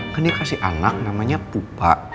kan dia kasih anak namanya pupa